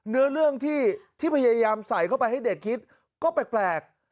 เนื้อเรื่องที่พยายามใส่เข้าไปให้เด็กคิดก็แปลก